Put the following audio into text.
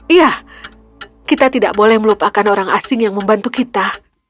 iya kita tidak boleh melupakan orang asing yang membantu kita